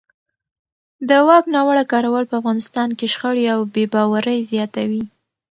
د واک ناوړه کارول په افغانستان کې شخړې او بې باورۍ زیاتوي